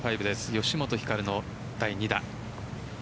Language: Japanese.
吉本ひかるの第２打。